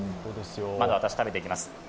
まだ、私食べていきます。